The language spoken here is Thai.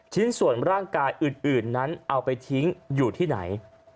ชิ้นส่วนร่างกายอื่นนั้นเอาไปทิ้งอยู่ที่ไหน